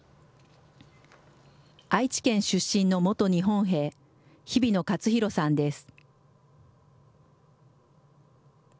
愛知県出身の元日本兵、日比野勝廣さんです。